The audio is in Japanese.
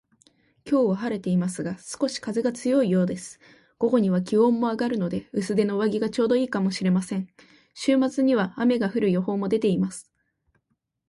今日は晴れていますが、少し風が強いようです。午後には気温も上がるので、薄手の上着がちょうど良いかもしれません。週末には雨が降る予報も出ています